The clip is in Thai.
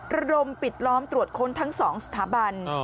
ระดมปิดล้อมตรวจค้นทั้ง๒สถาบัน